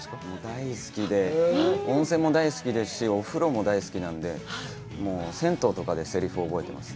大好きで、温泉も大好きですし、お風呂も大好きなんで、もう銭湯とかでせりふを覚えてます。